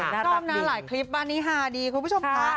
ชอบนะหลายคลิปบ้านนี้ฮาดีคุณผู้ชมค่ะ